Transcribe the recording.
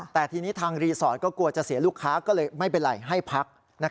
แต่ทีนี้ทางรีสอร์ทก็กลัวจะเสียลูกค้าก็เลยไม่เป็นไรให้พัก